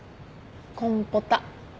コンポタ。